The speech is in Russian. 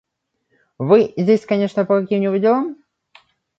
– Вы здесь, конечно, по каким-нибудь делам?